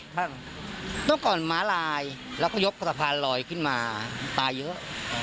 ตั้งตอนม้าลายแล้วก็ยกสะพานลอยขึ้นมาตายเยอะ